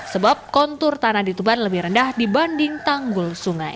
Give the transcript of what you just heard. sebab kontur tanah di tuban lebih rendah dibanding tanggul sungai